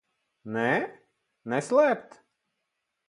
Nē? Neslēpt?